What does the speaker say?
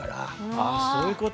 ああそういうこと。